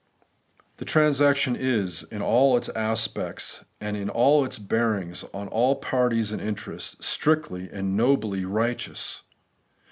The transaction is, in all its aspects, and in its bearings on all parties and interests, strictly and nobly righteous.